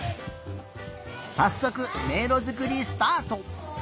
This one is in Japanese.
さっそくめいろづくりスタート！